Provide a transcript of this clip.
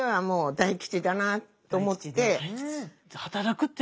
大吉。